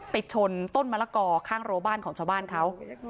ชนต้นมะละกอข้างรัวบ้านของชาวบ้านเขา